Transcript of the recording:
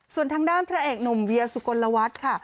ส่วนทางด้านพระเอกหนุ่มเวียสุกลวัฒน์ค่ะ